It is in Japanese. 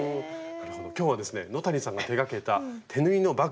今日はですね野谷さんが手がけた手縫いのバッグお持ち頂きました。